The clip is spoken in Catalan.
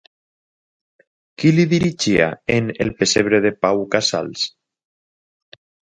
Qui li dirigiria en El Pessebre de Pau Casals?